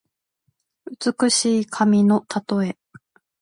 美しい髪のたとえ。